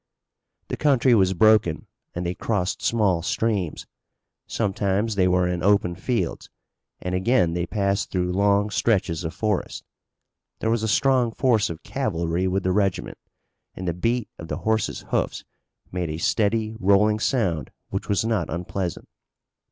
The country was broken and they crossed small streams. Sometimes they were in open fields, and again they passed through long stretches of forest. There was a strong force of cavalry with the regiment, and the beat of the horses' hoofs made a steady rolling sound which was not unpleasant.